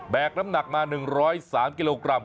กน้ำหนักมา๑๐๓กิโลกรัม